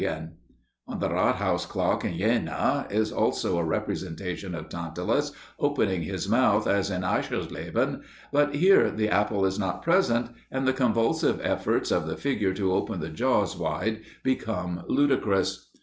On the Rathaus clock in Jena is also a representation of Tantalus, opening his mouth as in Aschersleben; but here the apple is not present, and the convulsive efforts of the figure to open the jaws wide become ludicrous.